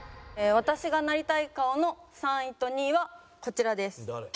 私がなりたい顔の３位と２位はこちらです。